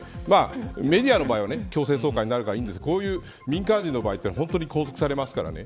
メディアの場合は強制送還になるからいいんですけど民間人の場合は本当に拘束されますからね。